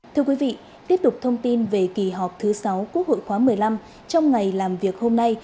thưa quý vị tiếp tục thông tin về kỳ họp thứ sáu quốc hội khóa một mươi năm trong ngày làm việc hôm nay